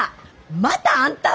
またあんたは！